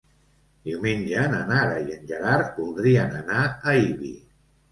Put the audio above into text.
Diumenge na Nara i en Gerard voldrien anar a Ibi.